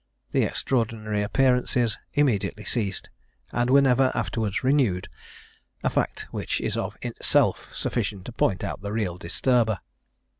The extraordinary appearances immediately ceased, and were never afterwards renewed; a fact which is of itself sufficient to point out the real disturber.